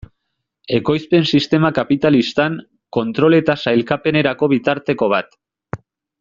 Ekoizpen sistema kapitalistan, kontrol eta sailkapenerako bitarteko bat.